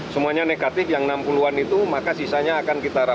semuanya negatif yang enam puluh an itu maka sisanya akan kita rata rata